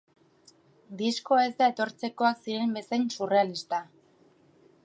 Diskoa ez da etortzekoak ziren bezain surrealista.